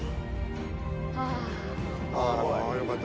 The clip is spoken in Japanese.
あー、よかった。